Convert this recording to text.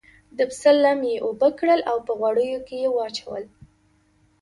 د پسه لم یې اوبه کړل او په غوړیو کې یې واچول.